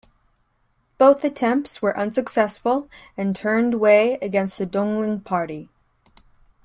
Both attempts were unsuccessful, and turned Wei against the Donglin party.